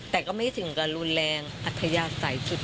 แต่ก็ไม่ถึงกับรุนแรงอัธยาศัยจุด